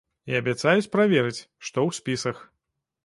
І абяцаюць праверыць, што ў спісах.